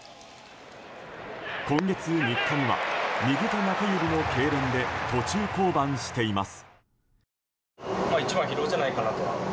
今月３日には右手中指のけいれんで途中降板しています。